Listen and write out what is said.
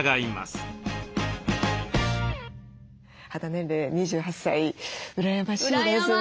肌年齢２８歳羨ましいですね。